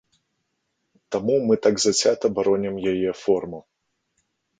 Таму мы так зацята баронім яе форму.